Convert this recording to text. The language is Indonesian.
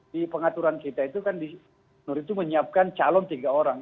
di pengaturan kita itu kan menyiapkan calon tiga orang